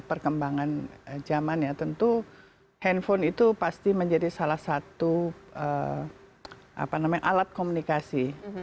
perkembangan zaman ya tentu handphone itu pasti menjadi salah satu alat komunikasi